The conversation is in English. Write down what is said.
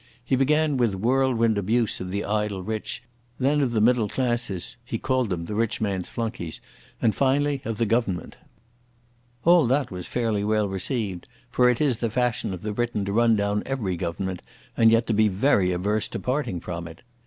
He began with whirlwind abuse of the idle rich, then of the middle classes (he called them the "rich man's flunkeys'), and finally of the Government. All that was fairly well received, for it is the fashion of the Briton to run down every Government and yet to be very averse to parting from it.